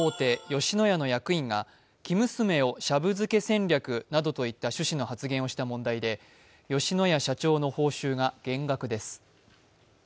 吉野家の役員が「生娘をシャブ漬け戦略」などといった趣旨の発言をした問題で吉野家社長の報酬が減額です。